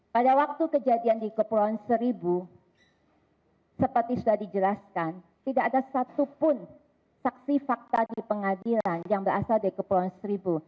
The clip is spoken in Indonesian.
pada waktu kejadian di kepulauan seribu seperti sudah dijelaskan tidak ada satupun saksi fakta di pengadilan yang berasal dari kepulauan seribu